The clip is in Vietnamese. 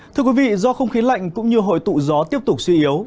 thưa quý vị do không khí lạnh cũng như hội tụ gió tiếp tục suy yếu